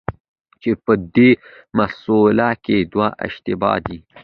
چي په دې مسأله کي دی اشتباه دی،